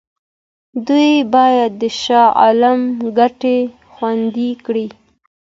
دوی باید د شاه عالم ګټې خوندي کړي.